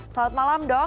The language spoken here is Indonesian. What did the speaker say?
selamat malam dok